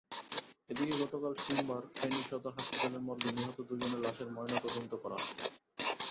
এদিকে গতকাল সোমবার ফেনী সদর হাসপাতালের মর্গে নিহত দুজনের লাশের ময়নাতদন্ত করা হয়।